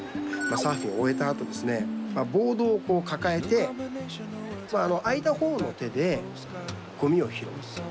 サーフィンを終えたあと、ボードを抱えて空いた方の手でごみを拾う。